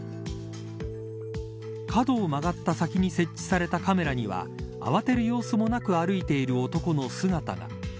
角を曲がった先に設置されたカメラには慌てる様子もなく歩いている男の姿が。